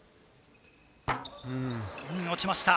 うん、落ちました。